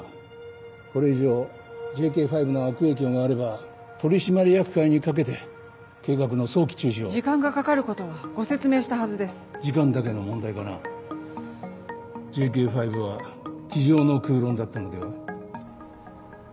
これ以上ＪＫ５の悪影響があれば取締役会にかけて計画の早期中止を時間がかかることはご説明したはずです時間だけの問題かなＪＫ５は机上の空論だったのでは？